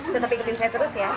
tetap ikutin saya terus ya